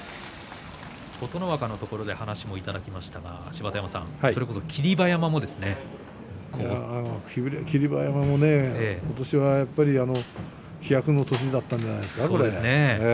琴ノ若のところでお話もいただきましたが霧馬山も今年は飛躍の年だったんじゃないですか。